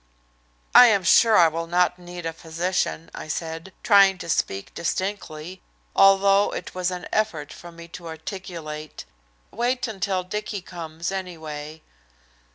"I'm sure I will not need a physician," I said, trying to speak distinctly, although it was an effort for me to articulate. "Wait until Dicky comes, anyway."